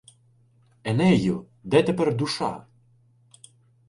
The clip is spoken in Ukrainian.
Енею! де тепер душа?